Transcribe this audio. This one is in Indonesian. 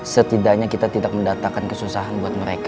setidaknya kita tidak mendatakan kesusahan buat mereka